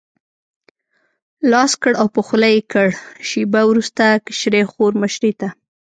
لاس کړ او په خوله یې کړ، شېبه وروسته کشرې خور مشرې ته.